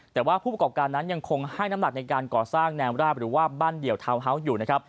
แต่ว่าผู้ประกอบการนั้นยังคงให้น้ำหนักในการก่อสร้างแนวราบหรือว่าบ้านเดี่ยวทาวน์เฮาส์อยู่นะครับ